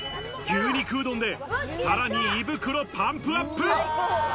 牛肉うどんで、さらに胃袋パンプアップ。